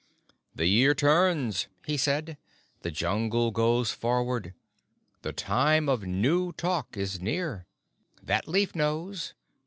"The year turns," he said. "The Jungle goes forward. The Time of New Talk is near. That leaf knows.